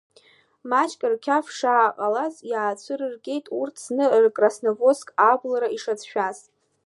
Маҷк рқьаф шааҟалаз иаацәырыргеит урҭ зны Красноводск абылра ишацәцаз.